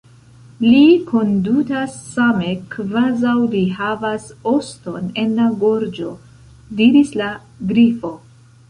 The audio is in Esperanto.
"Li kondutas same kvazaŭ li havas oston en la gorĝo," diris la Grifo.